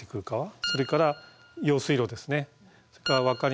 それから用水路ですね。